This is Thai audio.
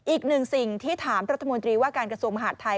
อีกหนึ่งสิ่งที่ถามรัฐมนตรีว่าการกระทรวงมหาดไทย